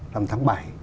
rằm tháng bảy